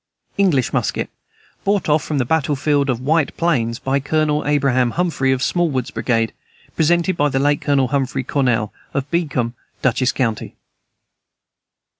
English musket, brought off from the battle field of White Plains by Colonel Abraham Humphrey, of Smallwood's brigade. Presented by the late Colonel Humphrey Cornell, of Beekman, Dutchess county.